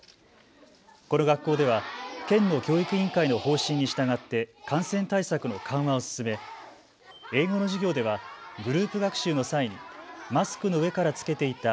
この学校では県の教育委員会の方針に従って感染対策の緩和を進め英語の授業ではグループ学習の際にマスクの上から着けていた